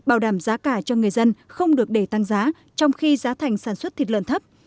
bảo đảm giá cả cho người dân không được để tăng giá trong khi giá thành sản xuất thịt lợn thấp